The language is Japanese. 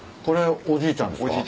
これおじいちゃんですか？